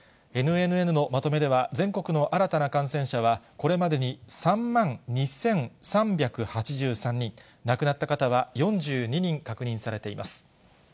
ＮＮＮのまとめでは、全国の新たな感染者は、これまでに３万２３８３人、亡くなった方は４２人確認されています。